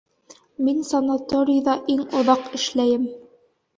Мин санаторийҙа иң оҙаҡ эшләйем...